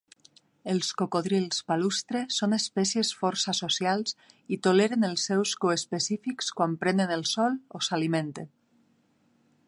Els cocodrils palustre són espècies força socials i toleren els seus coespecífics quan prenen el sol o s'alimenten.